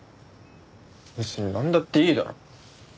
別になんだっていいだろ。